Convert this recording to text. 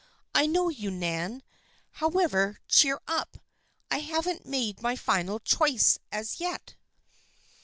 I know you, Nan. However, cheer up. I haven't made my final choice as yet."